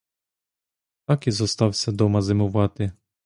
Так і зостався дома зимувати.